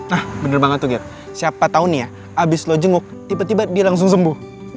ah bener banget tuh ger siapa tau nih ya abis lo jenguk tiba tiba dia langsung sembuh